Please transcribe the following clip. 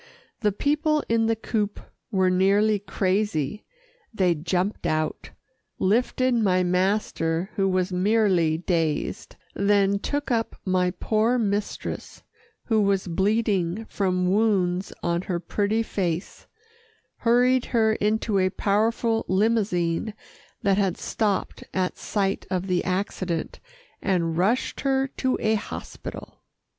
The people in the coupé were nearly crazy. They jumped out, lifted my master who was merely dazed, then took up my poor mistress who was bleeding from wounds on her pretty face, hurried her into a powerful limousine that had stopped at sight of the accident, and rushed her to a hospital.